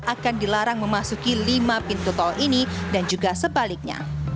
akan dilarang memasuki lima pintu tol ini dan juga sebaliknya